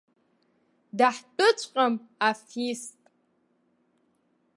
Даҳтәыҵәҟьам, аф ист!